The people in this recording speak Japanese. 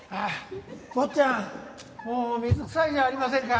坊ちゃんもう水くさいじゃありませんか。